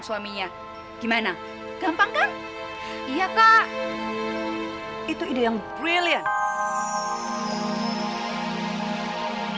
suaminya gimana gampang kan iya kak itu ide yang brilliant